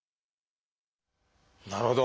なるほど。